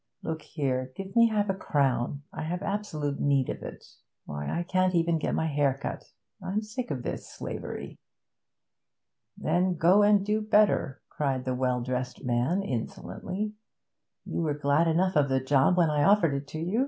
Look here, give me half a crown. I have absolute need of it. Why, I can't even get my hair cut. I'm sick of this slavery.' 'Then go and do better,' cried the well dressed man insolently. 'You were glad enough of the job when I offered it to you.